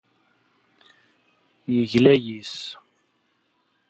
Yegla yes-s.